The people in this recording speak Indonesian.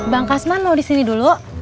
bang kasman mau disini dulu